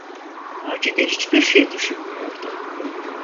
Macide hiçbir şey düşünmüyordu.